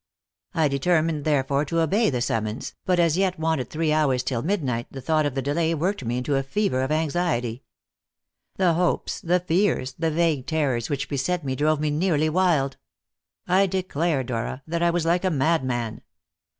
I determined, therefore, to obey the summons, but as it yet wanted three hours till midnight the thought of the delay worked me into a fever of anxiety. The hopes, the fears, the vague terrors which beset me drove me nearly wild. I declare, Dora, that I was like a madman.